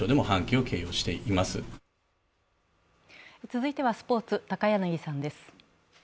続いてはスポーツ、高柳さんです。